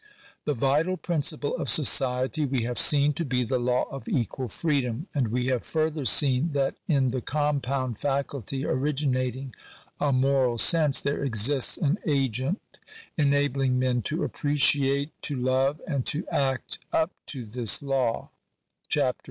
The vital principle of society we have seen to be the law of equal freedom : and we have further seen that in the compound faculty originating a moral sense, there exists an agent enabling men to appreciate, to love, and to act up to this law (Chaps.